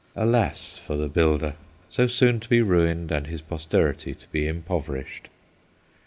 Alas for the builder, so soon to be ruined, and his posterity to be impoverished